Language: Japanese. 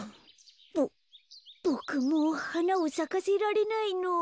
ボボクもうはなをさかせられないの？